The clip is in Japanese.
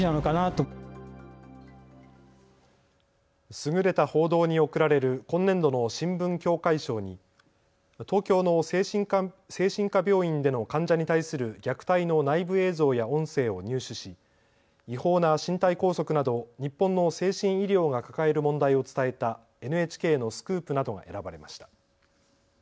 優れた報道に贈られる今年度の新聞協会賞に東京の精神科病院での患者に対する虐待の内部映像や音声を入手し違法な身体拘束など日本の精神医療が抱える問題を伝えたＮＨＫのスクープなどが選ばれました。